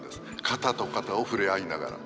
肩と肩を触れ合いながら。